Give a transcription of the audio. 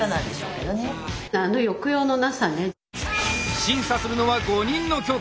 審査するのは５人の教官。